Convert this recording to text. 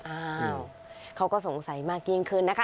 อ้าวเขาก็สงสัยมากยิ่งขึ้นนะคะ